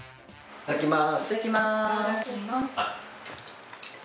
いただきます。